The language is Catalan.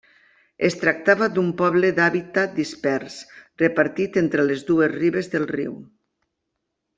Es tractava d'un poble d'hàbitat dispers repartit entre les dues ribes del riu.